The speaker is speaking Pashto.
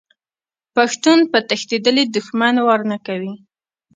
پښتون په تښتیدلي دښمن وار نه کوي.